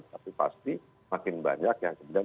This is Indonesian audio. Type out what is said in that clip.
tapi pasti makin banyak yang kemudian